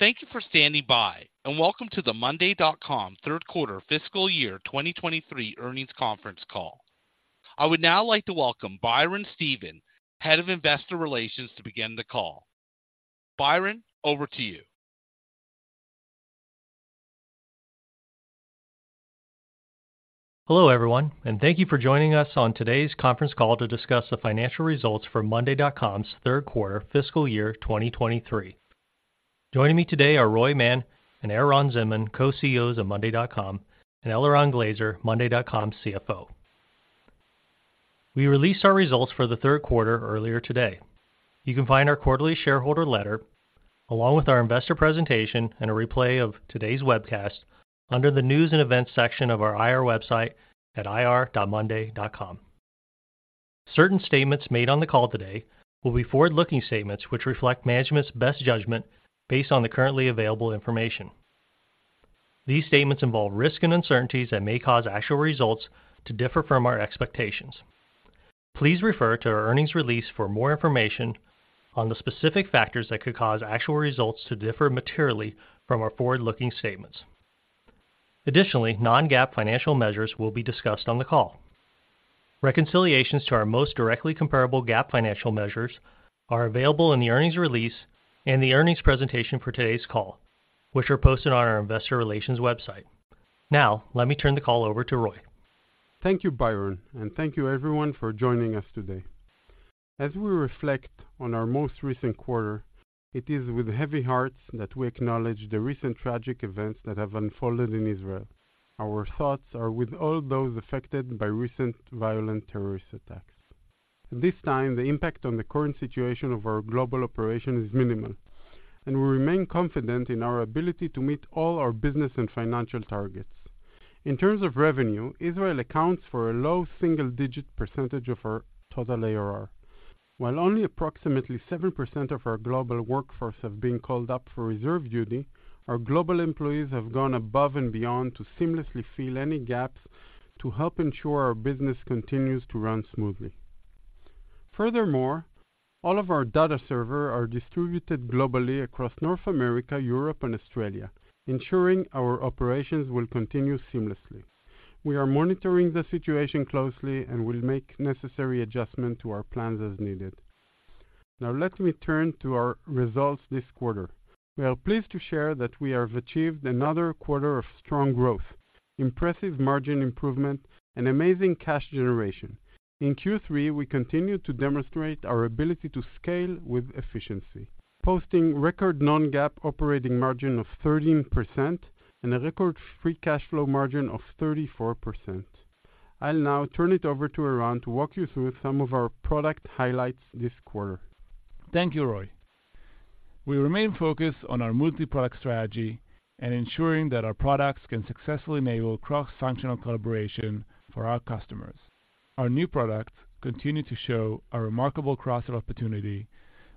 Thank you for standing by, and welcome to the monday.com third quarter Fiscal year 2023 earnings conference call. I would now like to welcome Byron Stephen, Head of Investor Relations, to begin the call. Byron, over to you. Hello, everyone, and thank you for joining us on today's conference call to discuss the financial results for monday.com's third quarter Fiscal year 2023. Joining me today are Roy Mann and Eran Zinman, Co-CEOs of monday.com, and Eliran Glazer, monday.com CFO. We released our results for the third quarter earlier today. You can find our quarterly shareholder letter, along with our investor presentation and a replay of today's webcast, under the News and Events section of our IR website at ir.monday.com. Certain statements made on the call today will be forward-looking statements, which reflect management's best judgment based on the currently available information. These statements involve risks and uncertainties that may cause actual results to differ from our expectations. Please refer to our earnings release for more information on the specific factors that could cause actual results to differ materially from our forward-looking statements. Additionally, Non-GAAP financial measures will be discussed on the call. Reconciliations to our most directly comparable GAAP financial measures are available in the earnings release and the earnings presentation for today's call, which are posted on our investor relations website. Now, let me turn the call over to Roy. Thank you, Byron, and thank you everyone for joining us today. As we reflect on our most recent quarter, it is with heavy hearts that we acknowledge the recent tragic events that have unfolded in Israel. Our thoughts are with all those affected by recent violent terrorist attacks. At this time, the impact on the current situation of our global operation is minimal, and we remain confident in our ability to meet all our business and financial targets. In terms of revenue, Israel accounts for a low single-digit percentage of our total ARR. While only approximately 7% of our global workforce have been called up for reserve duty, our global employees have gone above and beyond to seamlessly fill any gaps to help ensure our business continues to run smoothly. Furthermore, all of our data servers are distributed globally across North America, Europe, and Australia, ensuring our operations will continue seamlessly. We are monitoring the situation closely and will make necessary adjustments to our plans as needed. Now, let me turn to our results this quarter. We are pleased to share that we have achieved another quarter of strong growth, impressive margin improvement, and amazing cash generation. In Q3, we continued to demonstrate our ability to scale with efficiency, posting record Non-GAAP operating margin of 13% and a record free cash flow margin of 34%. I'll now turn it over to Eran to walk you through some of our product highlights this quarter. Thank you, Roy. We remain focused on our multi-product strategy and ensuring that our products can successfully enable cross-functional collaboration for our customers. Our new products continue to show a remarkable cross-sell opportunity,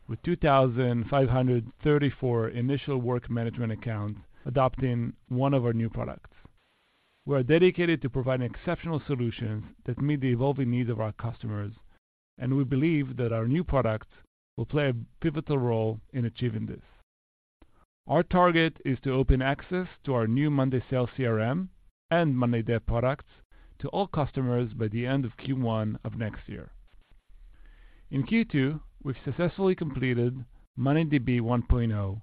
with 2,534 initial work management accounts adopting one of our new products. We are dedicated to providing exceptional solutions that meet the evolving needs of our customers, and we believe that our new products will play a pivotal role in achieving this. Our target is to open access to our new monday sales CRM and monday dev products to all customers by the end of Q1 of next year. In Q2, we've successfully completed mondayDB 1.0.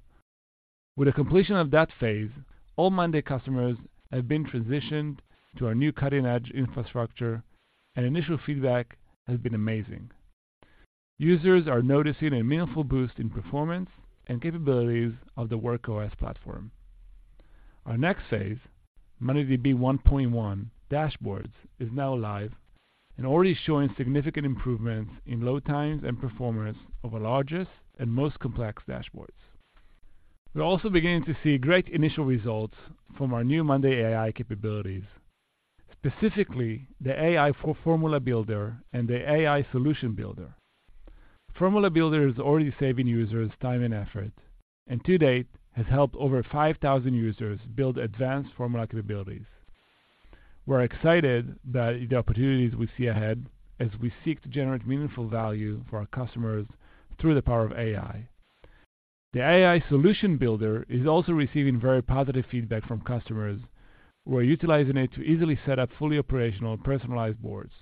With the completion of that phase, all monday customers have been transitioned to our new cutting-edge infrastructure, and initial feedback has been amazing. Users are noticing a meaningful boost in performance and capabilities of the Work OS platform. Our next phase, mondayDB 1.1, Dashboards, is now live and already showing significant improvements in load times and performance of our largest and most complex dashboards. We're also beginning to see great initial results from our new monday AI capabilities, specifically the AI Formula Builder and the AI Solution Builder. Formula Builder is already saving users time and effort, and to date, has helped over 5,000 users build advanced formula capabilities. We're excited by the opportunities we see ahead as we seek to generate meaningful value for our customers through the power of AI. The AI Solution Builder is also receiving very positive feedback from customers who are utilizing it to easily set up fully operational personalized boards.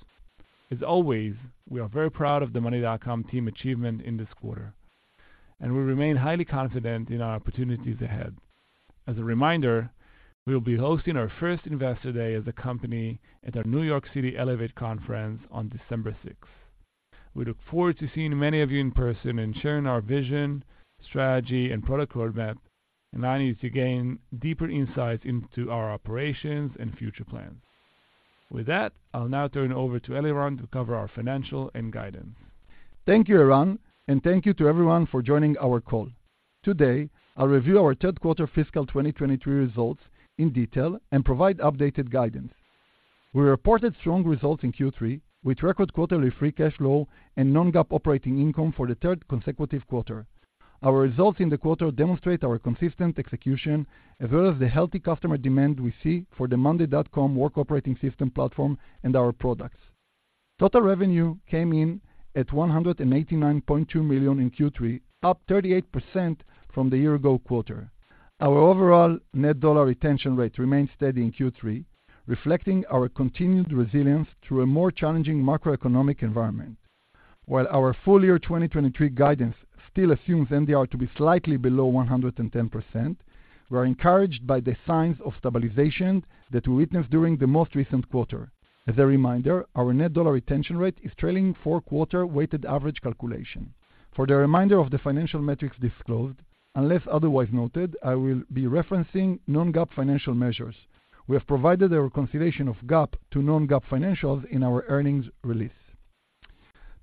As always, we are very proud of the monday.com team achievement in this quarter, and we remain highly confident in our opportunities ahead. As a reminder, we'll be hosting our first Investor Day as a company at our New York City Elevate conference on December 6th. We look forward to seeing many of you in person and sharing our vision, strategy, and product roadmap, allowing you to gain deeper insights into our operations and future plans. With that, I'll now turn it over to Eliran to cover our financial and guidance. Thank you, Eran, and thank you to everyone for joining our call. Today, I'll review our third quarter Fiscal 2023 results in detail and provide updated guidance. We reported strong results in Q3, with record quarterly free cash flow and Non-GAAP operating income for the third consecutive quarter. Our results in the quarter demonstrate our consistent execution, as well as the healthy customer demand we see for the monday.com work operating system platform and our products.... Total revenue came in at $189.2 million in Q3, up 38% from the year ago quarter. Our overall net dollar retention rate remained steady in Q3, reflecting our continued resilience through a more challenging macroeconomic environment. While our full year 2023 guidance still assumes NDR to be slightly below 110%, we are encouraged by the signs of stabilization that we witnessed during the most recent quarter. As a reminder, our net dollar retention rate is trailing four-quarter weighted average calculation. For the remainder of the financial metrics disclosed, unless otherwise noted, I will be referencing Non-GAAP financial measures. We have provided a reconciliation of GAAP to Non-GAAP financials in our earnings release.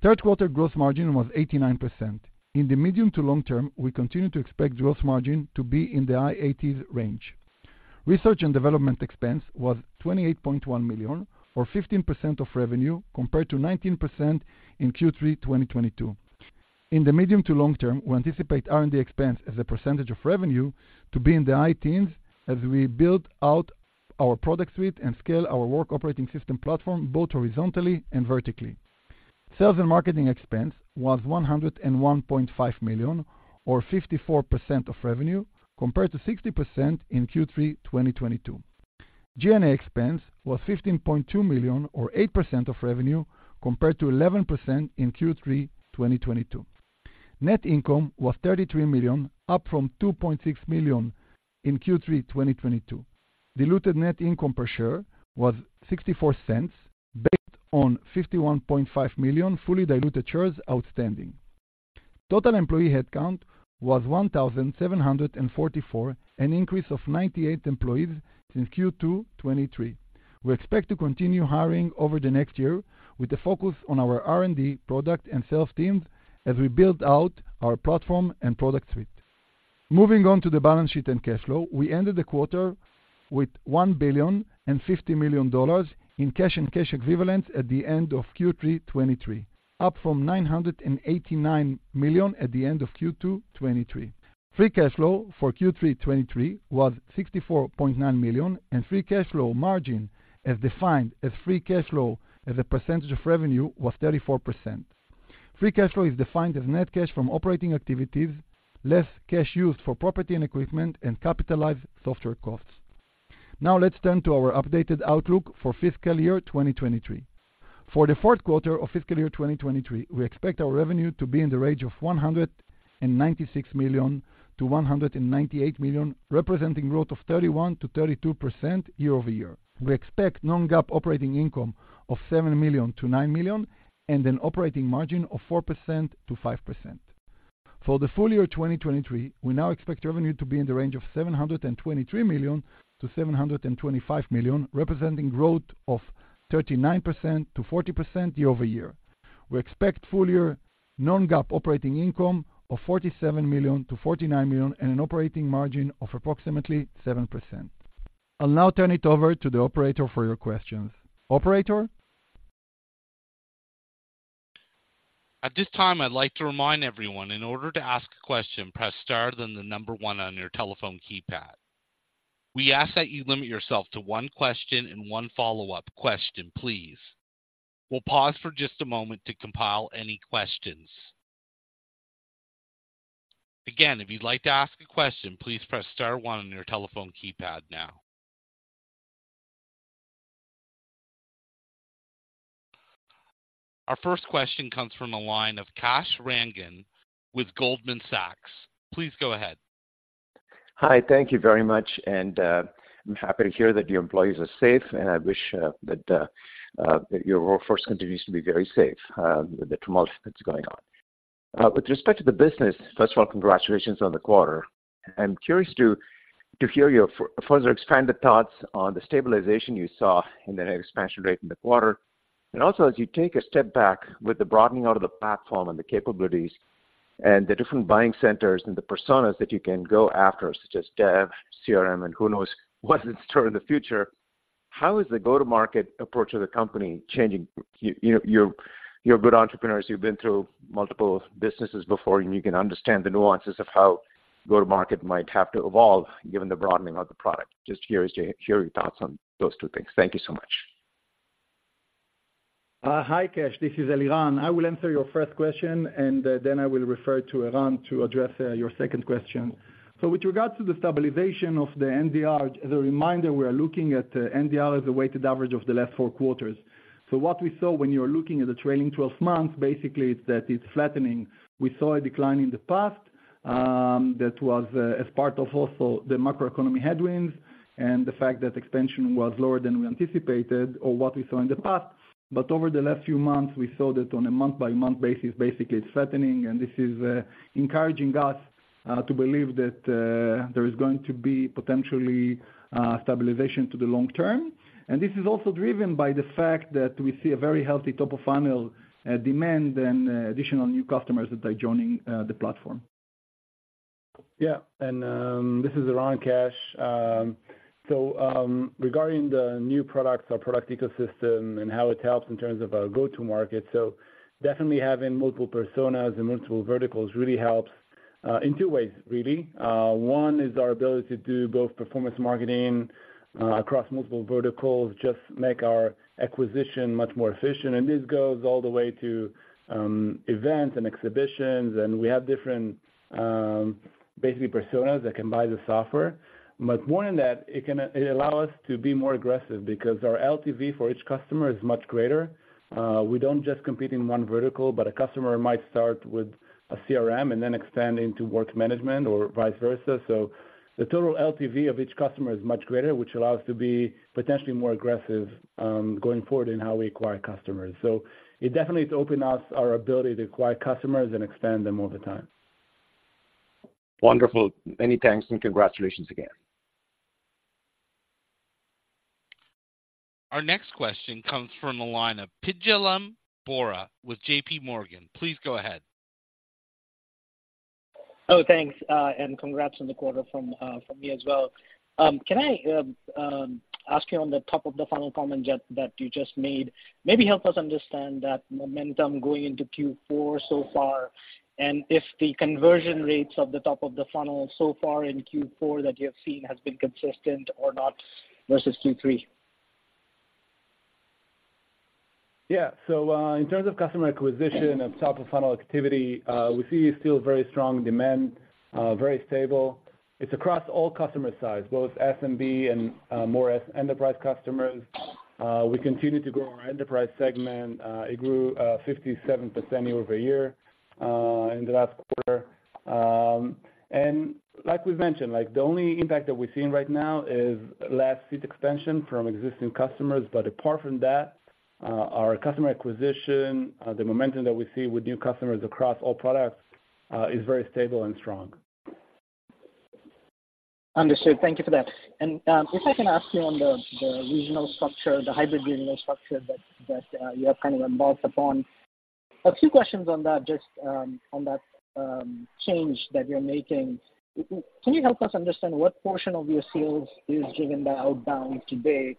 Third quarter gross margin was 89%. In the medium to long term, we continue to expect gross margin to be in the high 80s range. Research and development expense was $28.1 million, or 15% of revenue, compared to 19% in Q3 2022. In the medium to long term, we anticipate R&D expense as a percentage of revenue to be in the high teens as we build out our product suite and scale our Work Operating System platform, both horizontally and vertically. Sales and marketing expense was $101.5 million, or 54% of revenue, compared to 60% in Q3 2022. G&A expense was $15.2 million, or 8% of revenue, compared to 11% in Q3 2022. Net income was $33 million, up from $2.6 million in Q3 2022. Diluted net income per share was $0.64, based on 51.5 million fully diluted shares outstanding. Total employee headcount was 1,744, an increase of 98 employees since Q2 2023. We expect to continue hiring over the next year with a focus on our R&D product and sales teams as we build out our platform and product suite. Moving on to the balance sheet and cash flow. We ended the quarter with $1.05 billion in cash and cash equivalents at the end of Q3 2023, up from $989 million at the end of Q2 2023. Free cash flow for Q3 2023 was $64.9 million, and free cash flow margin, as defined as free cash flow as a percentage of revenue, was 34%. Free cash flow is defined as net cash from operating activities, less cash used for property and equipment and capitalized software costs. Now, let's turn to our updated outlook for Fiscal year 2023. For the fourth quarter of fiscal year 2023, we expect our revenue to be in the range of $196 million-$198 million, representing growth of 31%-32% year-over-year. We expect Non-GAAP operating income of $7 million-$9 million and an operating margin of 4%-5%. For the full year 2023, we now expect revenue to be in the range of $723 million-$725 million, representing growth of 39%-40% year-over-year. We expect full year Non-GAAP operating income of $47 million-$49 million and an operating margin of approximately 7%. I'll now turn it over to the operator for your questions. Operator? At this time, I'd like to remind everyone, in order to ask a question, press Star, then the number one on your telephone keypad. We ask that you limit yourself to one question and one follow-up question, please. We'll pause for just a moment to compile any questions. Again, if you'd like to ask a question, please press Star one on your telephone keypad now. Our first question comes from the line of Kash Rangan with Goldman Sachs. Please go ahead. Hi. Thank you very much, and I'm happy to hear that your employees are safe, and I wish that your workforce continues to be very safe with the turmoil that's going on. With respect to the business, first of all, congratulations on the quarter. I'm curious to hear your further expanded thoughts on the stabilization you saw in the expansion rate in the quarter. And also, as you take a step back with the broadening out of the platform and the capabilities and the different buying centers and the personas that you can go after, such as Dev, CRM, and who knows what's in store in the future, how is the go-to-market approach of the company changing? You're good entrepreneurs, you've been through multiple businesses before, and you can understand the nuances of how go-to-market might have to evolve given the broadening of the product. Just curious to hear your thoughts on those two things. Thank you so much. Hi, Kash, this is Eliran. I will answer your first question, and then I will refer to Eran to address your second question. So with regards to the stabilization of the NDR, as a reminder, we are looking at NDR as a weighted average of the last four quarters. So what we saw when you are looking at the trailing twelve months, basically it's that it's flattening. We saw a decline in the past that was as part of also the macroeconomic headwinds and the fact that expansion was lower than we anticipated or what we saw in the past. But over the last few months, we saw that on a month-by-month basis, basically it's flattening, and this is encouraging us to believe that there is going to be potentially stabilization to the long term. This is also driven by the fact that we see a very healthy top-of-funnel demand and additional new customers that are joining the platform.... Yeah, and, this is Eran Zinman. So, regarding the new products, our product ecosystem and how it helps in terms of our go-to market. So definitely having multiple personas and multiple verticals really helps in two ways, really. One is our ability to do both performance marketing across multiple verticals, just make our acquisition much more efficient. And this goes all the way to events and exhibitions, and we have different basically personas that can buy the software. But more than that, it allow us to be more aggressive because our LTV for each customer is much greater. We don't just compete in one vertical, but a customer might start with a CRM and then expand into work management or vice versa. The total LTV of each customer is much greater, which allows to be potentially more aggressive going forward in how we acquire customers. It definitely has opened up our ability to acquire customers and expand them over time. Wonderful. Many thanks, and congratulations again. Our next question comes from the line of Pinjalim Bora with J.P. Morgan. Please go ahead. Oh, thanks, and congrats on the quarter from me as well. Can I ask you on the top of the final comment that you just made? Maybe help us understand that momentum going into Q4 so far, and if the conversion rates of the top of the funnel so far in Q4 that you have seen has been consistent or not versus Q3. Yeah. So, in terms of customer acquisition and top-of-funnel activity, we see still very strong demand, very stable. It's across all customer size, both SMB and more enterprise customers. We continue to grow our enterprise segment. It grew 57% year-over-year in the last quarter. And like we've mentioned, like, the only impact that we're seeing right now is less seat expansion from existing customers. But apart from that, our customer acquisition, the momentum that we see with new customers across all products, is very stable and strong. Understood. Thank you for that. And if I can ask you on the regional structure, the hybrid regional structure that you have kind of embarked upon. A few questions on that, just on that change that you're making. Can you help us understand what portion of your sales is driven by outbound today,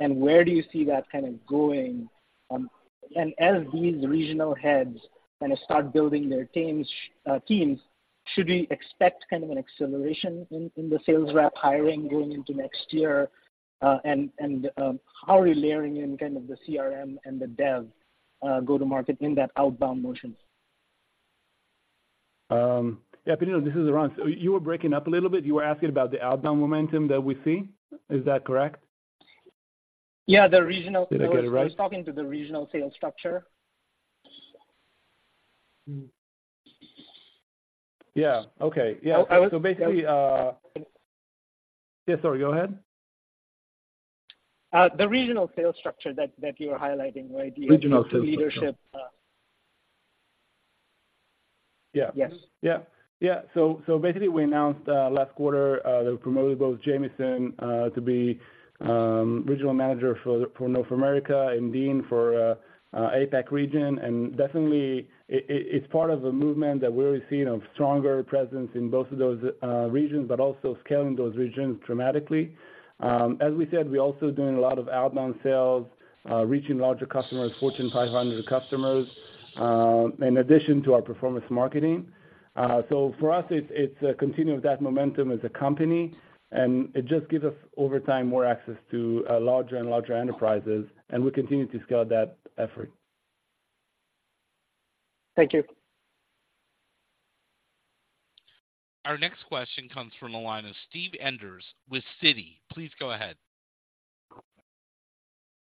and where do you see that kind of going? And as these regional heads kind of start building their teams, should we expect kind of an acceleration in the sales rep hiring going into next year? And how are you layering in kind of the CRM and the Dev go-to-market in that outbound motion? Yeah, Pinjalim, this is Eran. So you were breaking up a little bit. You were asking about the outbound momentum that we see. Is that correct? Yeah, the regional- Did I get it right? I was talking to the regional sales structure. Yeah. Okay. Yeah. I was- so basically, Yes, sorry, go ahead. The regional sales structure that you were highlighting, right? Regional sales structure. The leadership. Yeah. Yes. Yeah. Yeah. So basically we announced last quarter that we promoted both Jamison to be regional manager for North America and Dean for APAC region. And definitely, it's part of a movement that we're seeing of stronger presence in both of those regions, but also scaling those regions dramatically. As we said, we're also doing a lot of outbound sales, reaching larger customers, Fortune 500 customers, in addition to our performance marketing. So for us, it's continuing with that momentum as a company, and it just gives us, over time, more access to larger and larger enterprises, and we continue to scale that effort. Thank you. Our next question comes from the line of Steve Enders with Citi. Please go ahead.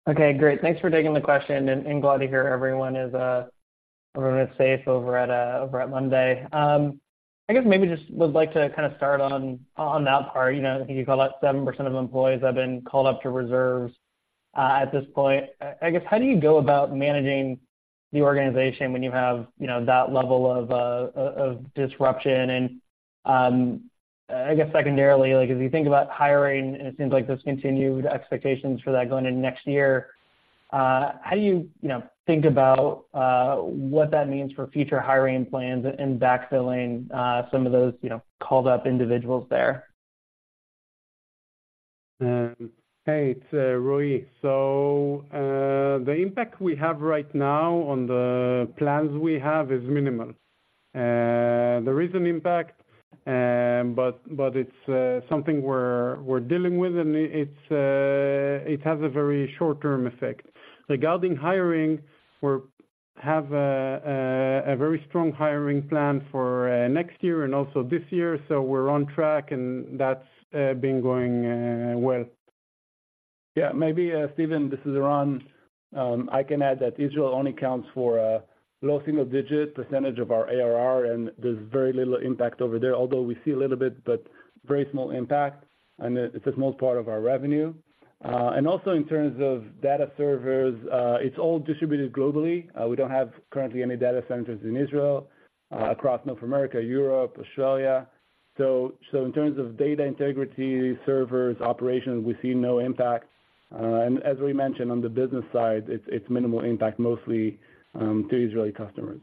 Okay, great. Thanks for taking the question, and glad to hear everyone is safe over at monday.com. I guess maybe just would like to kind of start on that part. You know, I think you call it 7% of employees have been called up to reserves at this point. I guess, how do you go about managing the organization when you have, you know, that level of disruption? And I guess secondarily, like as you think about hiring, and it seems like there's continued expectations for that going into next year, how do you, you know, think about what that means for future hiring plans and backfilling some of those, you know, called up individuals there? Hey, it's Roy. So, the impact we have right now on the plans we have is minimal. There is an impact, but it's something we're dealing with, and it has a very short-term effect. Regarding hiring, we have a very strong hiring plan for next year and also this year, so we're on track, and that's been going well. Yeah, maybe Steve, this is Eran. I can add that Israel only accounts for a low single-digit percentage of our ARR, and there's very little impact over there, although we see a little bit, but very small impact, and it's a small part of our revenue. And also in terms of data servers, it's all distributed globally. We don't have currently any data centers in Israel, across North America, Europe, Australia. So in terms of data integrity, servers, operations, we see no impact. And as we mentioned on the business side, it's minimal impact, mostly to Israeli customers....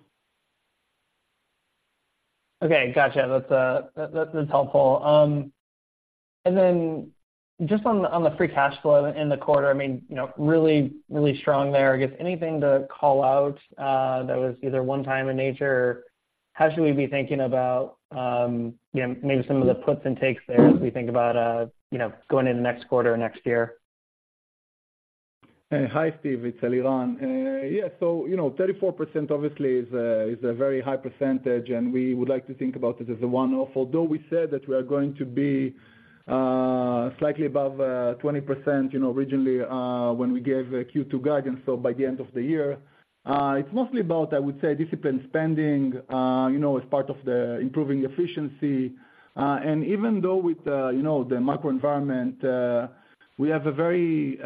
Okay, gotcha. That's, that's helpful. And then just on the free cash flow in the quarter, I mean, you know, really, really strong there. I guess, anything to call out that was either one-time in nature, how should we be thinking about, you know, maybe some of the puts and takes there as we think about, you know, going in the next quarter or next year? Hi, Steve. It's Eliran. Yeah, so, you know, 34% obviously is a very high percentage, and we would like to think about it as a one-off. Although we said that we are going to be slightly above 20%, you know, originally, when we gave a Q2 guidance. So by the end of the year, it's mostly about, I would say, disciplined spending, you know, as part of the improving efficiency. And even though with the, you know, the macro environment, we have a very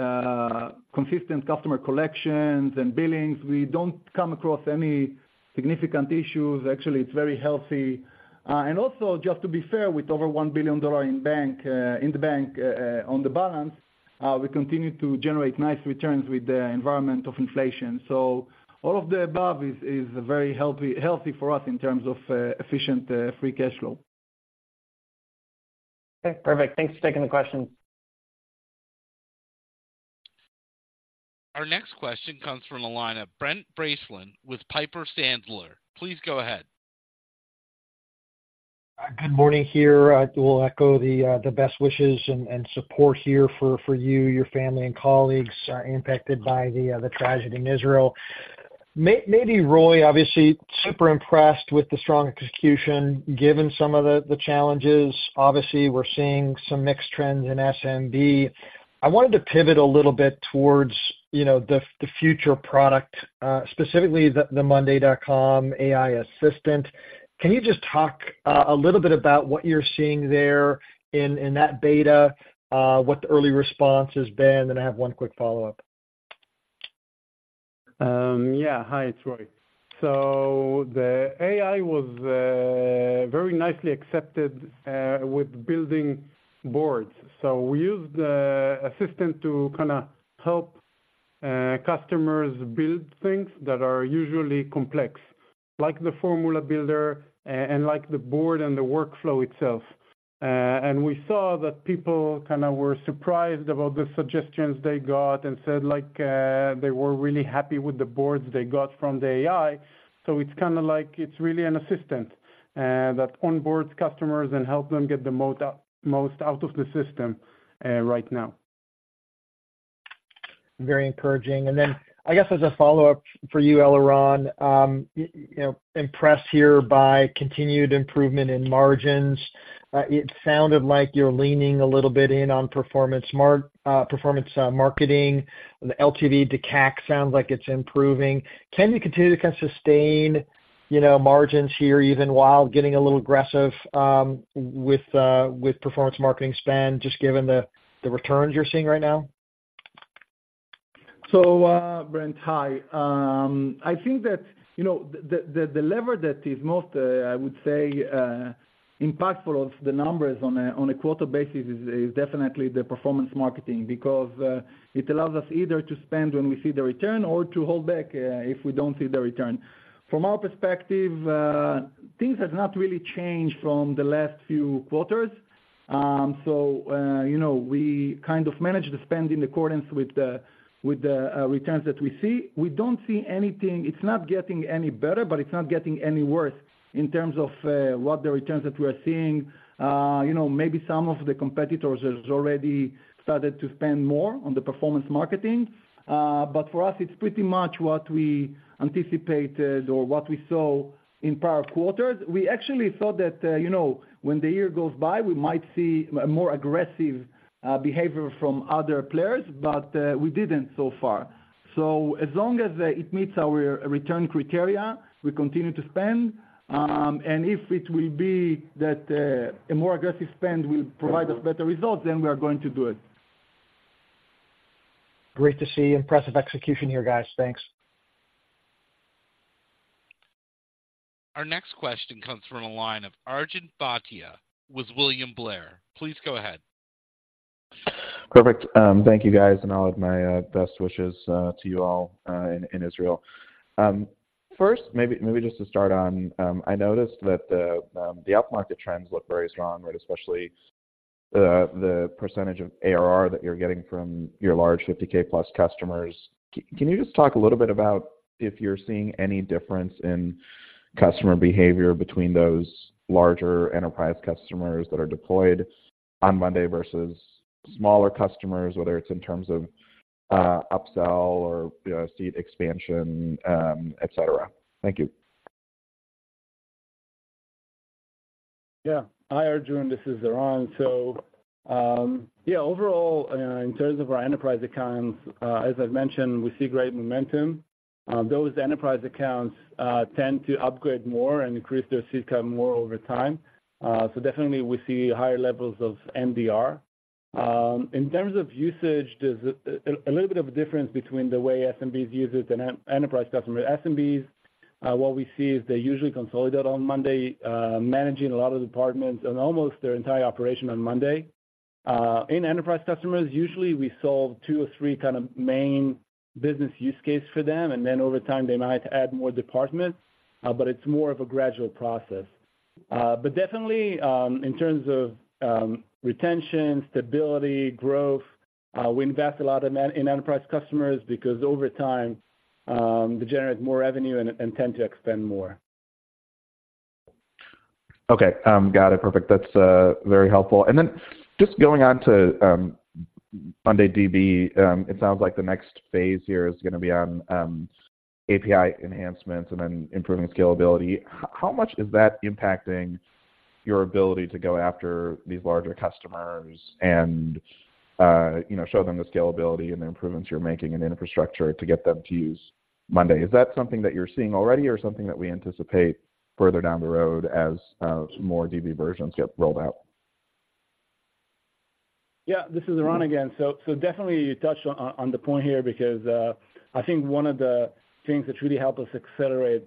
consistent customer collections and billings. We don't come across any significant issues. Actually, it's very healthy. And also, just to be fair, with over $1 billion in the bank, on the balance, we continue to generate nice returns with the environment of inflation. So all of the above is very healthy for us in terms of efficient free cash flow. Okay, perfect. Thanks for taking the question. Our next question comes from the line of Brent Bracelin with Piper Sandler. Please go ahead. Good morning here. I will echo the, the best wishes and, and support here for, for you, your family, and colleagues, impacted by the, the tragedy in Israel. Maybe Roy, obviously, super impressed with the strong execution, given some of the, the challenges. Obviously, we're seeing some mixed trends in SMB. I wanted to pivot a little bit towards, you know, the, the future product, specifically the, the monday.com AI assistant. Can you just talk, a little bit about what you're seeing there in, in that beta, what the early response has been? Then I have one quick follow-up. Yeah. Hi, it's Roy. So the AI was very nicely accepted with building boards. So we use the assistant to kinda help customers build things that are usually complex, like the formula builder and like the board and the workflow itself. And we saw that people kinda were surprised about the suggestions they got and said, like, they were really happy with the boards they got from the AI. So it's kinda like it's really an assistant that onboards customers and help them get the most out of the system right now. Very encouraging. And then, I guess, as a follow-up for you, Eliran, you know, impressed here by continued improvement in margins. It sounded like you're leaning a little bit in on performance marketing. The LTV to CAC sounds like it's improving. Can you continue to kind of sustain, you know, margins here, even while getting a little aggressive, with performance marketing spend, just given the returns you're seeing right now? So, Brent, hi. I think that, you know, the lever that is most, I would say, impactful of the numbers on a quarter basis is definitely the performance marketing because it allows us either to spend when we see the return or to hold back if we don't see the return. From our perspective, things have not really changed from the last few quarters. So, you know, we kind of managed to spend in accordance with the returns that we see. We don't see anything... It's not getting any better, but it's not getting any worse in terms of what the returns that we are seeing. You know, maybe some of the competitors has already started to spend more on the performance marketing, but for us, it's pretty much what we anticipated or what we saw in prior quarters. We actually thought that, you know, when the year goes by, we might see a more aggressive behavior from other players, but we didn't so far. So as long as it meets our return criteria, we continue to spend, and if it will be that a more aggressive spend will provide us better results, then we are going to do it. Great to see. Impressive execution here, guys. Thanks. Our next question comes from the line of Arjun Bhatia, with William Blair. Please go ahead. Perfect. Thank you, guys, and all of my best wishes to you all in Israel. First, maybe, maybe just to start on, I noticed that the up-market trends look very strong, right? Especially the percentage of ARR that you're getting from your large 50K plus customers. Can you just talk a little bit about if you're seeing any difference in customer behavior between those larger enterprise customers that are deployed on Monday versus smaller customers, whether it's in terms of upsell or, you know, seat expansion, et cetera? Thank you. Yeah. Hi, Arjun, this is Eran. So, yeah, overall, in terms of our enterprise accounts, as I've mentioned, we see great momentum. Those enterprise accounts tend to upgrade more and increase their ACV more over time. So definitely we see higher levels of NDR. In terms of usage, there's a little bit of a difference between the way SMBs use it and enterprise customers. SMBs, what we see is they usually consolidate on Monday, managing a lot of departments and almost their entire operation on Monday... in enterprise customers, usually we solve two or three kind of main business use case for them, and then over time, they might add more departments, but it's more of a gradual process. But definitely, in terms of retention, stability, growth, we invest a lot in enterprise customers because over time, they generate more revenue and tend to expend more. Okay. Got it. Perfect. That's very helpful. And then just going on to mondayDB, it sounds like the next phase here is gonna be on API enhancements and then improving scalability. How much is that impacting your ability to go after these larger customers and you know, show them the scalability and the improvements you're making in infrastructure to get them to use monday? Is that something that you're seeing already or something that we anticipate further down the road as more DB versions get rolled out? Yeah, this is Eran again. So, definitely you touched on the point here because, I think one of the things that really helped us accelerate,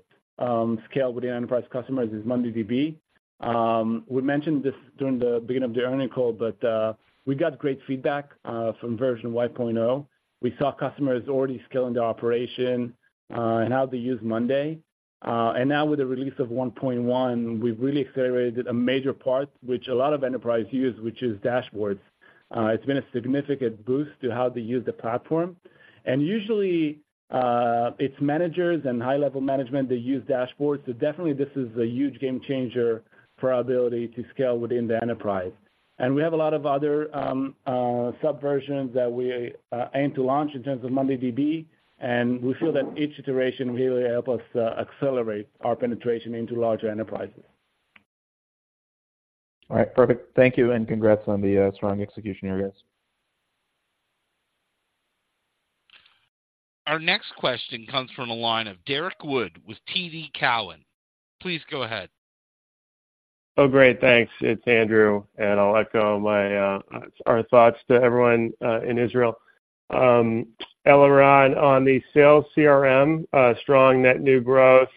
scale with the enterprise customers is mondayDB. We mentioned this during the beginning of the earnings call, but, we got great feedback, from version 1.0. We saw customers already scaling their operation, and how they use monday. And now with the release of 1.1, we've really accelerated a major part, which a lot of enterprise use, which is dashboards. It's been a significant boost to how they use the platform. And usually, it's managers and high-level management, they use dashboards. So definitely this is a huge game changer for our ability to scale within the enterprise. We have a lot of other subversions that we aim to launch in terms of mondayDB, and we feel that each iteration really help us accelerate our penetration into larger enterprises. All right, perfect. Thank you, and congrats on the strong execution, you guys. Our next question comes from the line of Derrick Wood with TD Cowen. Please go ahead. Oh, great. Thanks. It's Andrew, and I'll echo my, our thoughts to everyone, in Israel. Eliran, on the sales CRM, strong net new growth,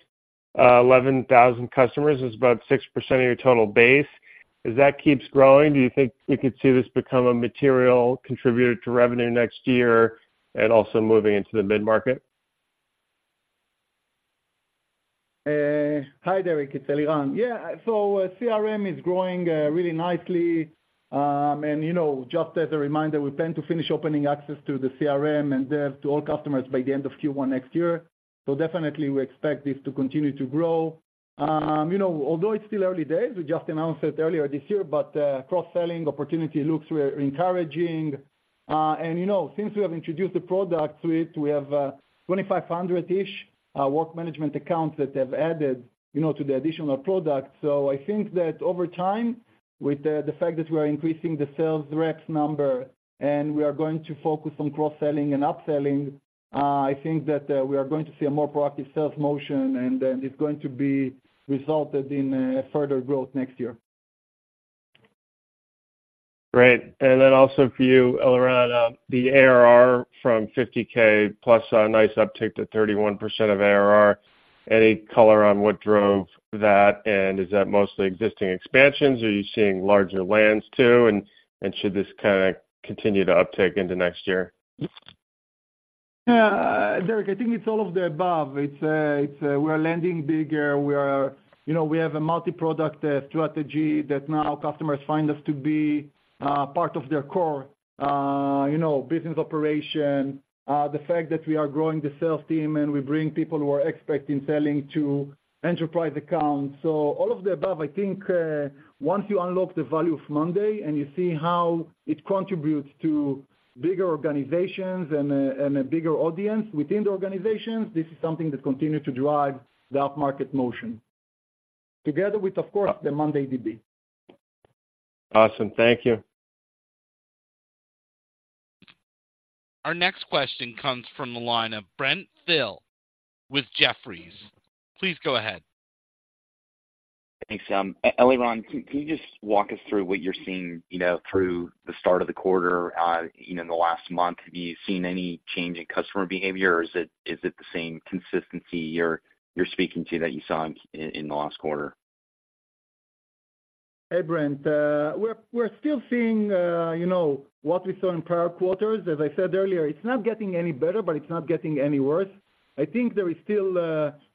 11,000 customers is about 6% of your total base. As that keeps growing, do you think we could see this become a material contributor to revenue next year, and also moving into the mid-market? Hi, Derrick, it's Eliran. Yeah, so CRM is growing really nicely. And you know, just as a reminder, we plan to finish opening access to the CRM and Dev to all customers by the end of Q1 next year. So definitely we expect this to continue to grow. You know, although it's still early days, we just announced it earlier this year, but cross-selling opportunity looks really encouraging. And you know, since we have introduced the product to it, we have 2,500-ish work management accounts that have added you know to the additional product. So I think that over time, with the fact that we are increasing the sales reps number and we are going to focus on cross-selling and upselling, I think that we are going to see a more proactive sales motion, and then it's going to be resulted in further growth next year. Great. And then also for you, Eliran, the ARR from 50K+, a nice uptick to 31% of ARR. Any color on what drove that, and is that mostly existing expansions, or are you seeing larger lands, too? And, and should this kinda continue to uptick into next year? Yeah, Derrick, I think it's all of the above. It's we're landing bigger. We are. You know, we have a multi-product strategy that now customers find us to be part of their core, you know, business operation. The fact that we are growing the sales team and we bring people who are expert in selling to enterprise accounts. So all of the above, I think, once you unlock the value of monday and you see how it contributes to bigger organizations and a bigger audience within the organizations, this is something that continue to drive the upmarket motion, together with, of course, the mondayDB. Awesome. Thank you. Our next question comes from the line of Brent Thill with Jefferies. Please go ahead. Thanks. Eliran, can you just walk us through what you're seeing, you know, through the start of the quarter, you know, in the last month? Have you seen any change in customer behavior, or is it the same consistency you're speaking to that you saw in the last quarter? Hey, Brent. We're still seeing, you know, what we saw in prior quarters. As I said earlier, it's not getting any better, but it's not getting any worse. I think there is still,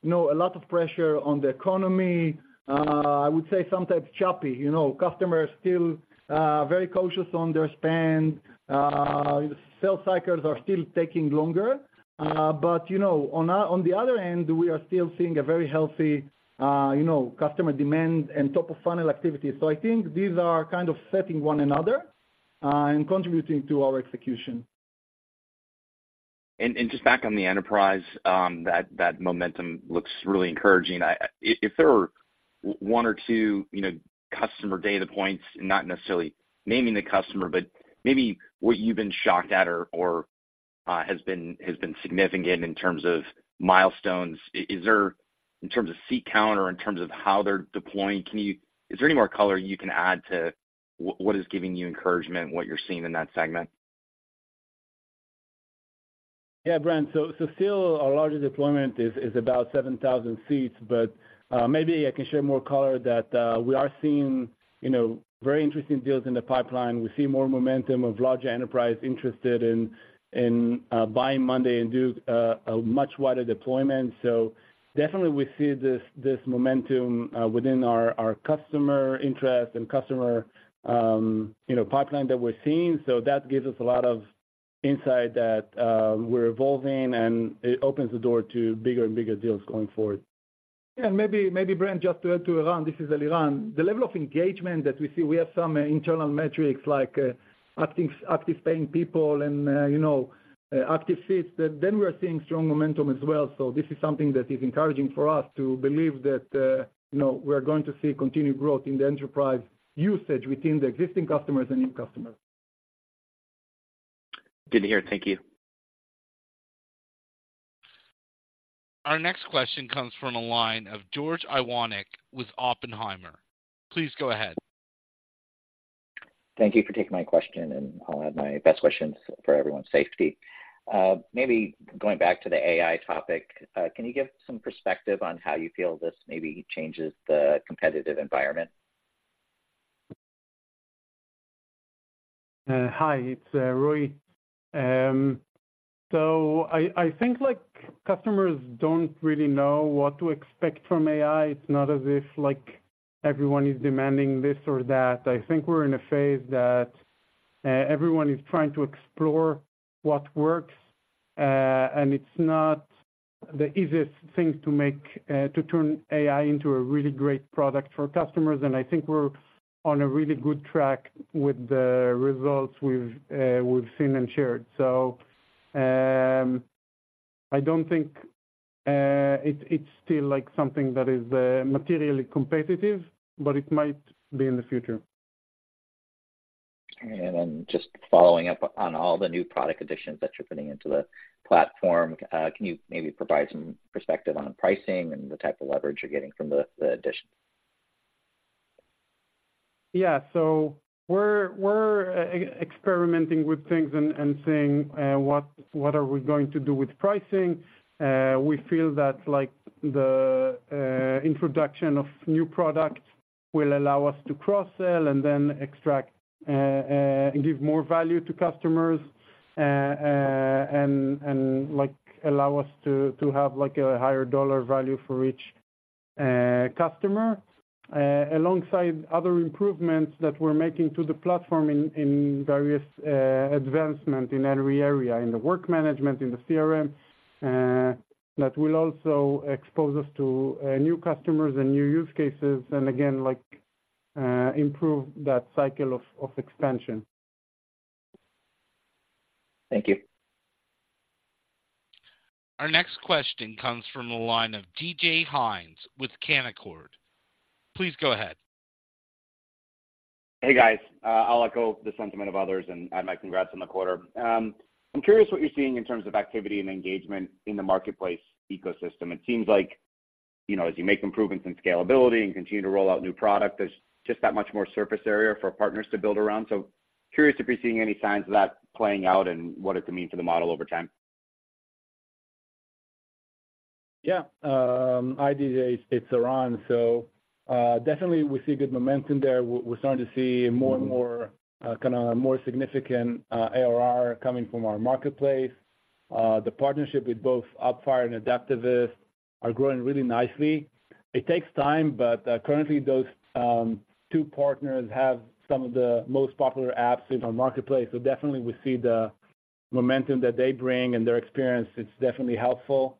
you know, a lot of pressure on the economy. I would say sometimes choppy. You know, customers still very cautious on their spend. Sales cycles are still taking longer. But, you know, on the other hand, we are still seeing a very healthy, you know, customer demand and top-of-funnel activity. So I think these are kind of setting one another and contributing to our execution. And just back on the enterprise, that momentum looks really encouraging. If there were one or two, you know, customer data points, not necessarily naming the customer, but maybe what you've been shocked at or has been significant in terms of milestones. Is there, in terms of seat count or in terms of how they're deploying, any more color you can add to what is giving you encouragement, what you're seeing in that segment?... Yeah, Brent, so still our largest deployment is about 7,000 seats, but maybe I can share more color that we are seeing, you know, very interesting deals in the pipeline. We see more momentum of large enterprise interested in buying Monday and do a much wider deployment. So definitely we see this momentum within our customer interest and customer, you know, pipeline that we're seeing. So that gives us a lot of insight that we're evolving, and it opens the door to bigger and bigger deals going forward. Yeah, maybe, maybe, Brent, just to add to Eran, this is Eliran. The level of engagement that we see, we have some internal metrics like, active, active paying people and, you know, active seats, then we are seeing strong momentum as well. So this is something that is encouraging for us to believe that, you know, we're going to see continued growth in the enterprise usage within the existing customers and new customers. Good to hear. Thank you. Our next question comes from the line of George Iwanyc with Oppenheimer. Please go ahead. Thank you for taking my question, and I'll have my best questions for everyone's safety. Maybe going back to the AI topic, can you give some perspective on how you feel this maybe changes the competitive environment? Hi, it's Roy. So I think like customers don't really know what to expect from AI. It's not as if like, everyone is demanding this or that. I think we're in a phase that everyone is trying to explore what works, and it's not the easiest thing to make to turn AI into a really great product for customers. And I think we're on a really good track with the results we've seen and shared. So I don't think it's still like something that is materially competitive, but it might be in the future. And then just following up on all the new product additions that you're putting into the platform, can you maybe provide some perspective on the pricing and the type of leverage you're getting from the additions? Yeah. So we're experimenting with things and seeing what we're going to do with pricing. We feel that like the introduction of new products will allow us to cross-sell and then extract give more value to customers and like allow us to have like a higher dollar value for each customer alongside other improvements that we're making to the platform in various advancement in every area, in the work management, in the CRM that will also expose us to new customers and new use cases, and again, like improve that cycle of expansion. Thank you. Our next question comes from the line of DJ Hynes with Canaccord. Please go ahead. Hey, guys, I'll echo the sentiment of others and add my congrats on the quarter. I'm curious what you're seeing in terms of activity and engagement in the marketplace ecosystem. It seems like, you know, as you make improvements in scalability and continue to roll out new product, there's just that much more surface area for partners to build around. So curious if you're seeing any signs of that playing out and what it could mean for the model over time. Yeah, hi, DJ, it's Eran. So, definitely we see good momentum there. We're starting to see more and more, kinda more significant, ARR coming from our marketplace. The partnership with both Appfire and Adaptavist are growing really nicely. It takes time, but, currently those two partners have some of the most popular apps in our marketplace. So definitely we see the momentum that they bring and their experience, it's definitely helpful.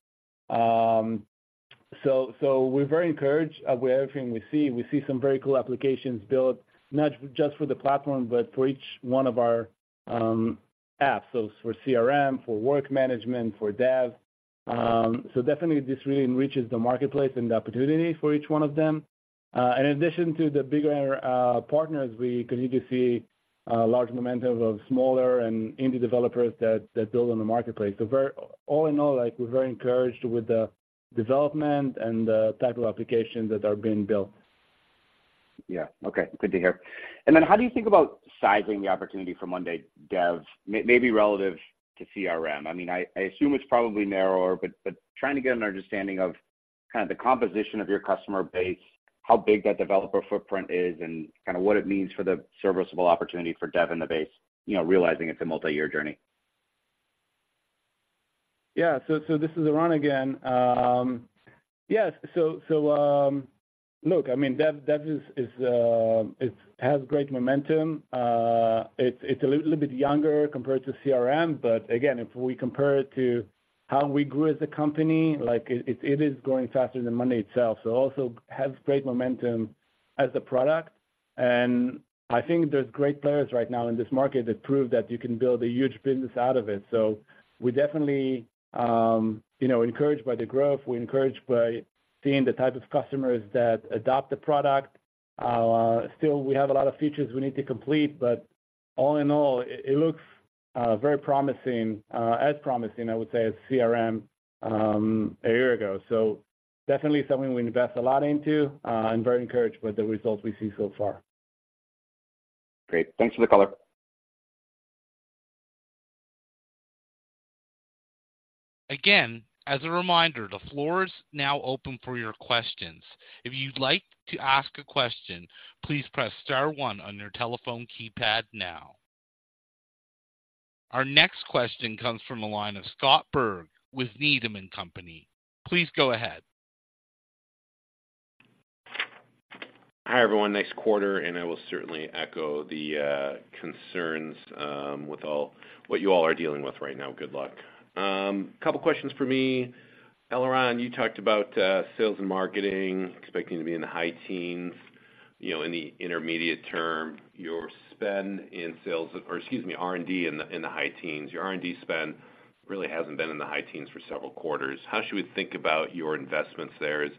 So, so we're very encouraged with everything we see. We see some very cool applications built, not just for the platform, but for each one of our apps, so for CRM, for work management, for Dev. So definitely this really enriches the marketplace and the opportunity for each one of them. And in addition to the bigger partners, we continue to see large momentum of smaller and indie developers that build on the marketplace. So all in all, like, we're very encouraged with the development and the type of applications that are being built. Yeah. Okay, good to hear. And then how do you think about sizing the opportunity for monday dev, maybe relative to CRM? I mean, I assume it's probably narrower, but trying to get an understanding of kind of the composition of your customer base, how big that developer footprint is, and kinda what it means for the serviceable opportunity for Dev in the base, you know, realizing it's a multi-year journey. Yeah. So this is Eran again. Look, I mean, Dev is it has great momentum. It's a little bit younger compared to CRM, but again, if we compare it to how we grew as a company, like, it is growing faster than Monday itself. So also has great momentum as a product, and I think there's great players right now in this market that prove that you can build a huge business out of it. So we definitely, you know, encouraged by the growth, we're encouraged by seeing the type of customers that adopt the product. Still, we have a lot of features we need to complete, but all in all, it looks very promising, as promising, I would say, as CRM a year ago. So definitely something we invest a lot into, and very encouraged by the results we see so far.... Great! Thanks for the color. Again, as a reminder, the floor is now open for your questions. If you'd like to ask a question, please press star one on your telephone keypad now. Our next question comes from the line of Scott Berg with Needham and Company. Please go ahead. Hi, everyone. Nice quarter, and I will certainly echo the concerns with what you all are dealing with right now. Good luck. A couple questions for me. Eliran, you talked about sales and marketing expecting to be in the high teens, you know, in the intermediate term, your spend in sales or, excuse me, R&D in the high teens. Your R&D spend really hasn't been in the high teens for several quarters. How should we think about your investments there? Are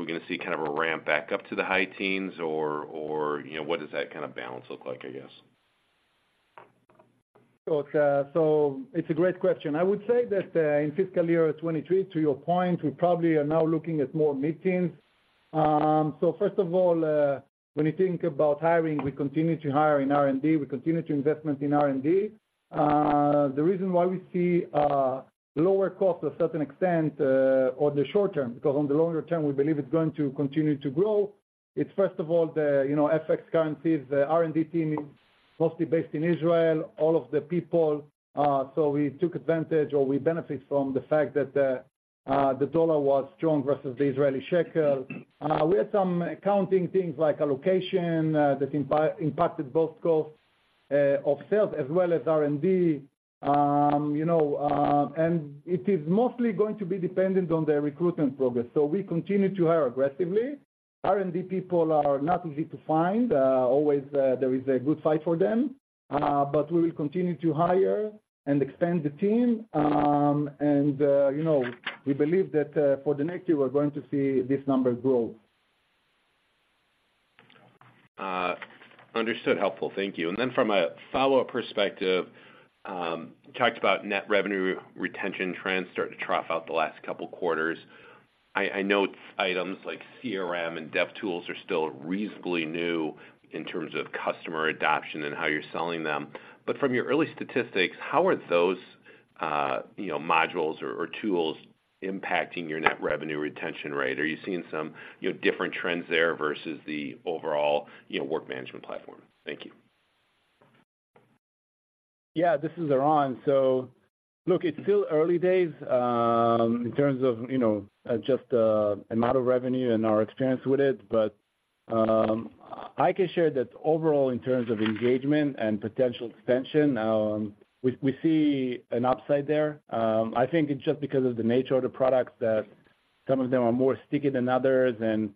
we going to see kind of a ramp back up to the high teens or, you know, what does that kind of balance look like, I guess? So it's a great question. I would say that, in Fiscal year 2023, to your point, we probably are now looking at more mid-teens. So first of all, when you think about hiring, we continue to hire in R&D, we continue to investment in R&D. The reason why we see lower costs to a certain extent on the short term, because on the longer term, we believe it's going to continue to grow. It's first of all the, you know, FX currencies, the R&D team is mostly based in Israel, all of the people. So we took advantage, or we benefit from the fact that the dollar was strong versus the Israeli shekel. We had some accounting things like allocation that impacted both costs of sales as well as R&D. You know, and it is mostly going to be dependent on the recruitment progress. So we continue to hire aggressively. R&D people are not easy to find. Always, there is a good fight for them, but we will continue to hire and expand the team. And, you know, we believe that, for the next year, we're going to see this number grow. Understood. Helpful. Thank you. And then from a follow-up perspective, you talked about net revenue retention trends starting to trough out the last couple quarters. I, I know items like CRM and Dev tools are still reasonably new in terms of customer adoption and how you're selling them. But from your early statistics, how are those, you know, modules or, or tools impacting your net revenue retention rate? Are you seeing some, you know, different trends there versus the overall, you know, work management platform? Thank you. Yeah, this is Eran. So look, it's still early days, in terms of, you know, just, amount of revenue and our experience with it. But, I can share that overall, in terms of engagement and potential expansion, we see an upside there. I think it's just because of the nature of the products, that some of them are more sticky than others, and,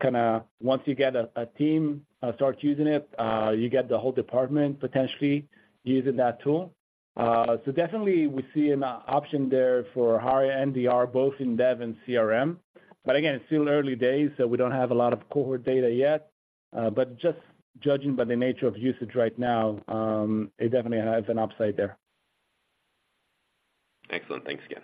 kinda once you get a team, start using it, you get the whole department potentially using that tool. So definitely we see an option there for higher NDR, both in Dev and CRM, but again, it's still early days, so we don't have a lot of cohort data yet. But just judging by the nature of usage right now, it definitely has an upside there. Excellent. Thanks again.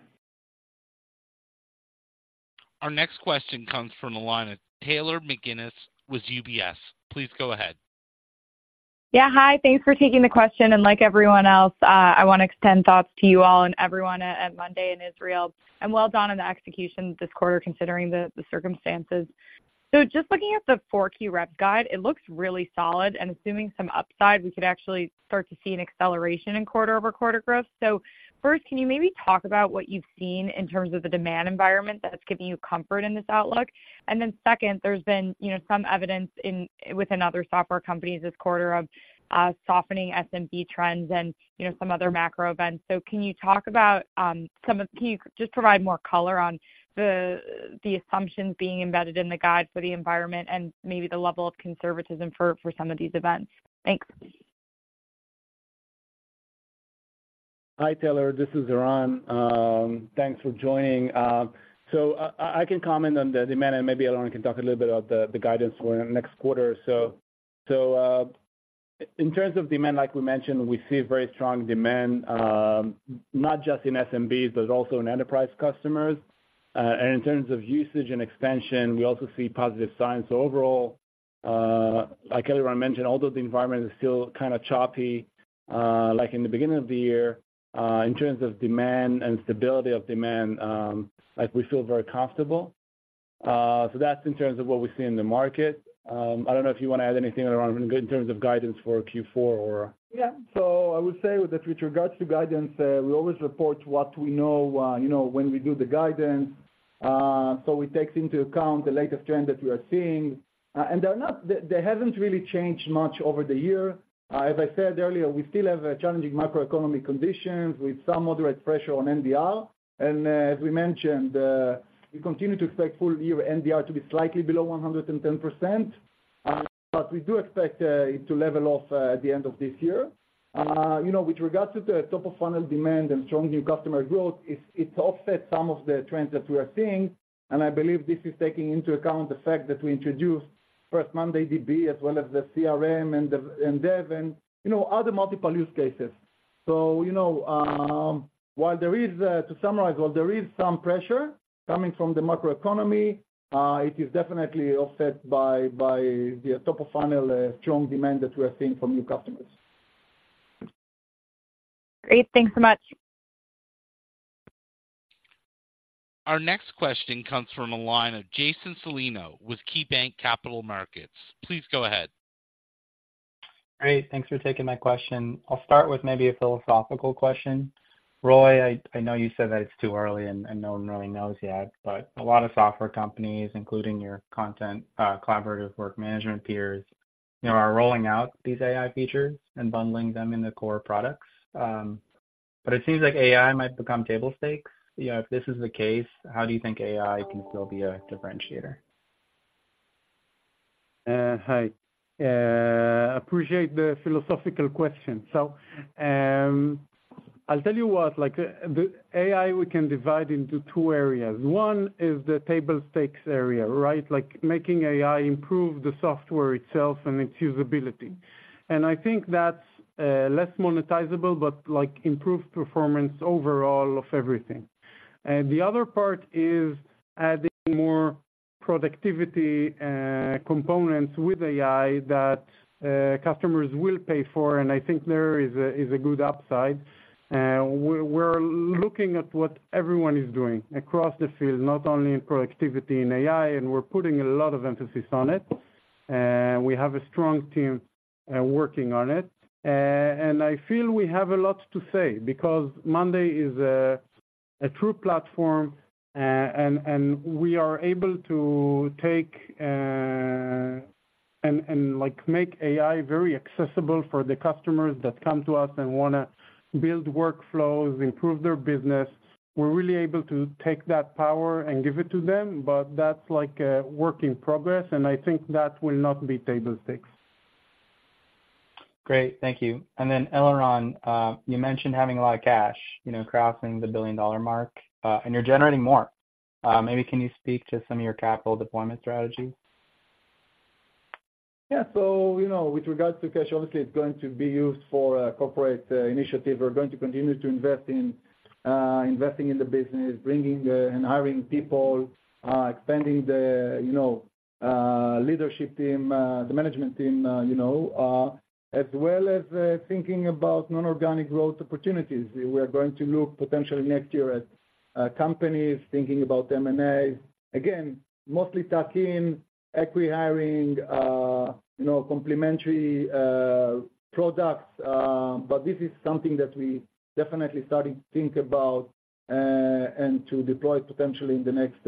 Our next question comes from the line of Taylor McGinnis with UBS. Please go ahead. Yeah, hi. Thanks for taking the question. Like everyone else, I want to extend thoughts to you all and everyone at monday.com in Israel, and well done on the execution this quarter, considering the circumstances. So just looking at the four key rep guide, it looks really solid, and assuming some upside, we could actually start to see an acceleration in quarter-over-quarter growth. So first, can you maybe talk about what you've seen in terms of the demand environment that's giving you comfort in this outlook? And then second, there's been, you know, some evidence within other software companies this quarter of softening SMB trends and, you know, some other macro events. So can you talk about some of... Can you just provide more color on the assumptions being embedded in the guide for the environment and maybe the level of conservatism for some of these events? Thanks. Hi, Taylor, this is Eran. Thanks for joining. So I can comment on the demand, and maybe Eliran can talk a little bit about the guidance for next quarter. So, in terms of demand, like we mentioned, we see very strong demand, not just in SMBs, but also in enterprise customers. And in terms of usage and expansion, we also see positive signs overall. Like Eliran mentioned, although the environment is still kinda choppy, like in the beginning of the year, in terms of demand and stability of demand, like, we feel very comfortable. So that's in terms of what we see in the market. I don't know if you want to add anything around in terms of guidance for Q4 or? Yeah. So I would say with regards to guidance, we always report what we know, you know, when we do the guidance. So it takes into account the latest trend that we are seeing, and they're not—they, they haven't really changed much over the year. As I said earlier, we still have challenging macroeconomic conditions with some moderate pressure on NDR, and as we mentioned, we continue to expect full year NDR to be slightly below 110%, but we do expect it to level off at the end of this year. You know, with regards to the top of funnel demand and strong new customer growth, it, it offsets some of the trends that we are seeing, and I believe this is taking into account the fact that we introduced first mondayDB as well as the CRM and the, and Dev and, you know, other multiple use cases. So, you know, while there is, to summarize, while there is some pressure coming from the macroeconomy, it is definitely offset by, by the top of funnel, strong demand that we are seeing from new customers. Great, thanks so much. Our next question comes from a line of Jason Celino with KeyBanc Capital Markets. Please go ahead. Great. Thanks for taking my question. I'll start with maybe a philosophical question. Roy, I know you said that it's too early and no one really knows yet, but a lot of software companies, including your content collaborative work management peers, you know, are rolling out these AI features and bundling them in the core products. But it seems like AI might become table stakes. You know, if this is the case, how do you think AI can still be a differentiator? Hi. Appreciate the philosophical question. So, I'll tell you what, like, the AI we can divide into two areas. One is the table stakes area, right? Like, making AI improve the software itself and its usability. And I think that's less monetizable, but, like, improved performance overall of everything. The other part is adding more productivity components with AI that customers will pay for, and I think there is a good upside. We're looking at what everyone is doing across the field, not only in productivity in AI, and we're putting a lot of emphasis on it. We have a strong team working on it. and I feel we have a lot to say because monday is a true platform, and like make AI very accessible for the customers that come to us and wanna build workflows, improve their business. We're really able to take that power and give it to them, but that's like a work in progress, and I think that will not be table stakes. Great. Thank you. And then, Eliran, you mentioned having a lot of cash, you know, crossing the billion-dollar mark, and you're generating more. Maybe can you speak to some of your capital deployment strategy? Yeah. So, you know, with regards to cash, obviously, it's going to be used for a corporate initiative. We're going to continue to invest in investing in the business, bringing and hiring people, expanding the, you know, leadership team, the management team, you know, as well as thinking about non-organic growth opportunities. We are going to look potentially next year at companies, thinking about M&A. Again, mostly tuck-in, acqui-hiring, you know, complementary products, but this is something that we definitely starting to think about and to deploy potentially in the next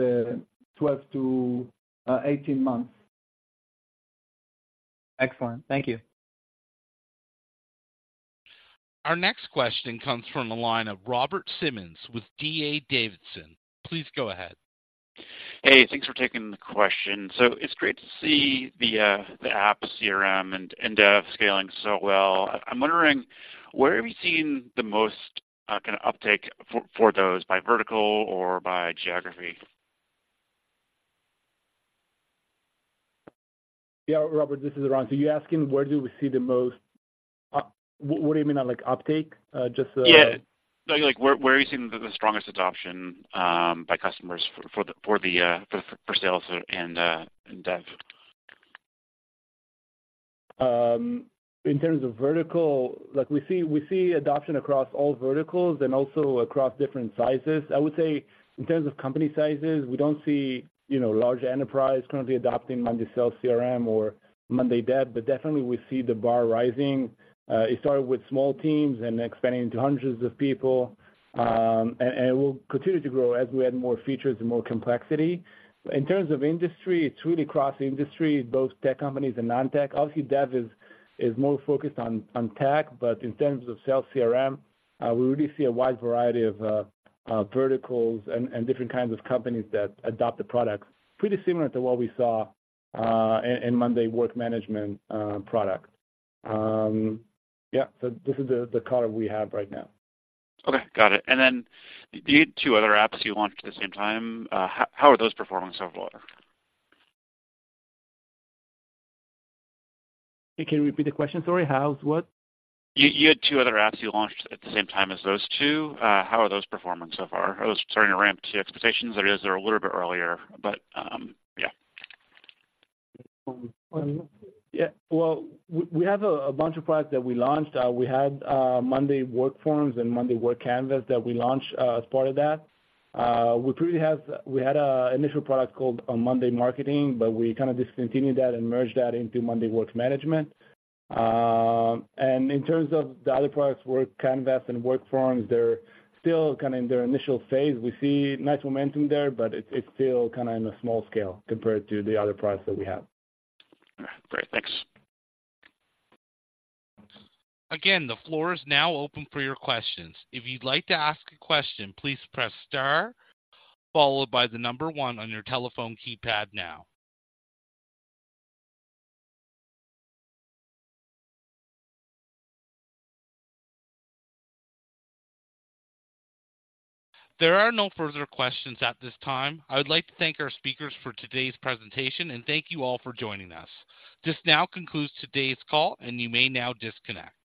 12-18 months. Excellent. Thank you. Our next question comes from the line of Robert Simmons with DA Davidson. Please go ahead. Hey, thanks for taking the question. So it's great to see the app, CRM and Dev scaling so well. I'm wondering, where are we seeing the most kind of uptake for those, by vertical or by geography? Yeah, Robert, this is Eran. So you're asking, where do we see the most up... What do you mean by, like, uptake? Yeah. Like, where are you seeing the strongest adoption by customers for the sales and Dev? In terms of vertical, like, we see adoption across all verticals and also across different sizes. I would say in terms of company sizes, we don't see, you know, large enterprise currently adopting monday sales CRM or monday Dev, but definitely we see the bar rising. It started with small teams and expanding to hundreds of people, and it will continue to grow as we add more features and more complexity. In terms of industry, it's really cross-industry, both tech companies and non-tech. Obviously, Dev is more focused on tech, but in terms of Sales CRM, we really see a wide variety of verticals and different kinds of companies that adopt the products. Pretty similar to what we saw in monday work management product. Yeah, so this is the color we have right now. Okay, got it. And then the two other apps you launched at the same time, how are those performing so far? Can you repeat the question? Sorry, how's what? You had two other apps you launched at the same time as those two. How are those performing so far? Are those starting to ramp to your expectations, or is there a little bit earlier? But, yeah. Yeah, well, we have a bunch of products that we launched. We had monday WorkForms and monday WorkCanvas that we launched as part of that. We had an initial product called monday Marketing, but we kind of discontinued that and merged that into monday WorkManagement. And in terms of the other products, WorkCanvas and WorkForms, they're still kind of in their initial phase. We see nice momentum there, but it's still kind of in a small scale compared to the other products that we have. Great. Thanks. Again, the floor is now open for your questions. If you'd like to ask a question, please press star followed by the number 1 on your telephone keypad now. There are no further questions at this time. I would like to thank our speakers for today's presentation, and thank you all for joining us. This now concludes today's call, and you may now disconnect.